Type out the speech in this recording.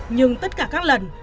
nhưng tất cả các lần